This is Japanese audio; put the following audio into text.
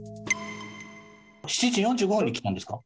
７時４５分に来たんですか？